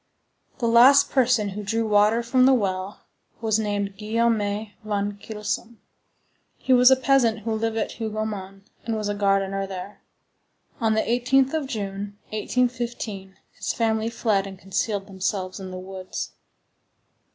The last person who drew water from the well was named Guillaume van Kylsom. He was a peasant who lived at Hougomont, and was gardener there. On the 18th of June, 1815, his family fled and concealed themselves in the woods.